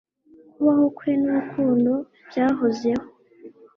Kubaho kwe nurukundo byahozeho